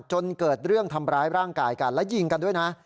จนเกิดเรื่องทำร้ายร่างกายกันและยิงกันด้วยนะ